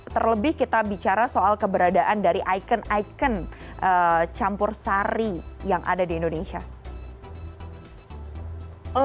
terlebih kita bicara soal keberadaan dari ikon ikon campur sari yang ada di indonesia